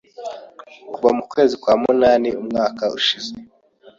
kuva mu kwezi kwa munani umwaka ushize